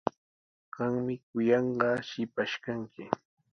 Qami kuyanqaa shipash kanki.